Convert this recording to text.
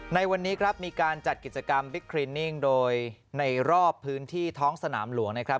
ในวันนี้ครับมีการจัดกิจกรรมบิ๊กคลินิ่งโดยในรอบพื้นที่ท้องสนามหลวงนะครับ